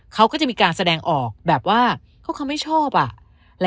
เขาก็จะมีการแสดงออกแบบว่าเขาไม่ชอบอ่ะ